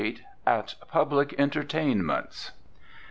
At Public Entertainments.